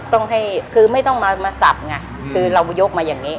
ต้องให้คือไม่ต้องมาสับไงคือเรายกมาอย่างนี้